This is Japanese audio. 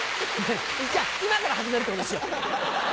じゃあ今から始めるってことにしよう。